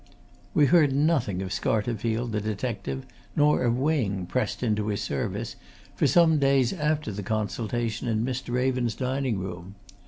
We heard nothing of Scarterfield, the detective, nor of Wing, pressed into his service, for some days after the consultation in Mr. Raven's dining room.